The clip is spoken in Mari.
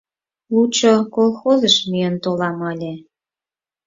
Лучо колхозыш миен толам ыле».